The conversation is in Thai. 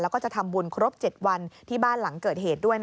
แล้วก็จะทำบุญครบ๗วันที่บ้านหลังเกิดเหตุด้วย